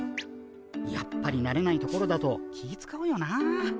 やっぱりなれない所だと気ぃ遣うよなあ。